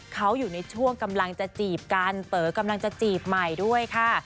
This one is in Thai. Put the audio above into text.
เขาอยู่ในช่วงกำลังจะจีบกันเต๋อกำลังจะจีบใหม่ด้วยค่ะ